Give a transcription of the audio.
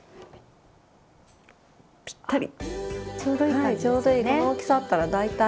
ぴったり。